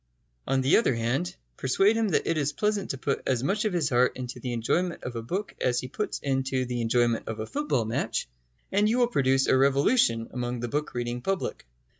On the other hand, persuade him that it is pleasant to put as much of his heart into the enjoyment of a book as he puts into the enjoyment of a football match, and you will produce a revolution among the book reading public.